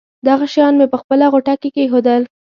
دغه شیان مې په خپله غوټه کې کېښودل.